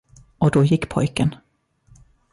Och då gick pojken.